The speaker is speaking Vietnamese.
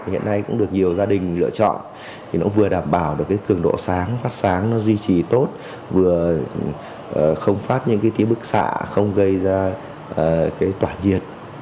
hiện nay cũng được nhiều gia đình lựa chọn thì nó vừa đảm bảo được cái cường độ sáng phát sáng nó duy trì tốt vừa không phát những bức xạ không gây ra cái tỏa nhiệt